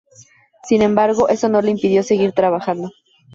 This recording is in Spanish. Sin embargo, eso no le impidió seguir trabajando.